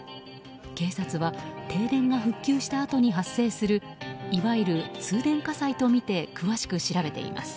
警察は停電が復旧したあとに発生するいわゆる通電火災とみて詳しく調べています。